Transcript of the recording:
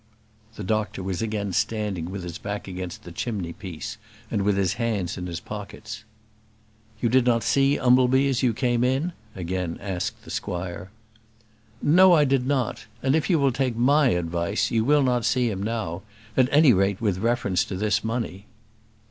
The doctor was again standing with his back against the chimney piece, and with his hands in his pockets. "You did not see Umbleby as you came in?" again asked the squire. "No, I did not; and if you will take my advice you will not see him now; at any rate with reference to this money."